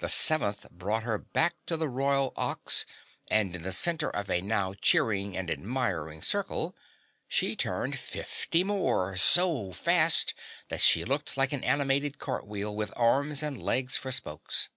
The seventh brought her back to the Royal Ox and in the center of a now cheering and admiring circle, she turned fifty more so fast that she looked like an animated cartwheel with arms and leg's for spokes.